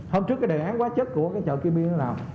hôm trước cái đề án quá chất của chợ kim biên nó làm